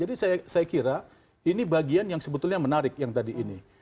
ini bagian yang sebetulnya menarik yang tadi ini